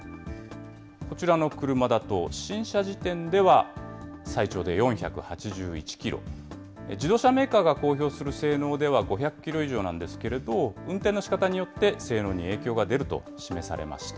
こちらの車だと、新車時点では、最長で４８１キロ、自動車メーカーが公表する性能では５００キロ以上なんですけれども、運転のしかたによって性能に影響が出ると示されました。